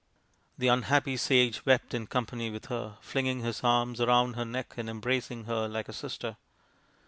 The unhappy sage wept in company with her, flinging his arms round her neck and embracing her like a sister.